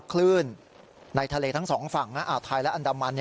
คลื่นในทะเลทั้ง๒ฝั่งอาทารย์และอันดำมัน